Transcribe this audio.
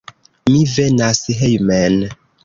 Mi venas hejmen.